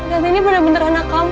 dan ini benar benar anak kamu